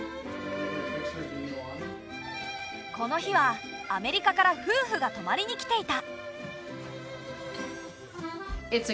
この日はアメリカから夫婦が泊まりに来ていた。